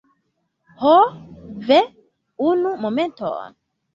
Ho, ve! Unu momenton.